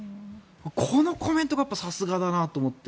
このコメントがやっぱりさすがだなと思って。